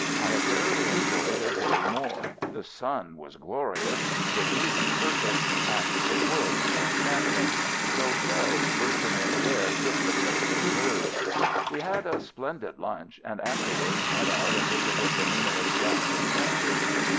I have rarely enjoyed a day more — the sun was glorious — the views 84 AMERICAN AMBULANCE perfect — and the woods enchanting — though shells bursting in the air took the place of birds ! We had a splendid lunch, and afterwards went out and visited the numerous guns and trenches.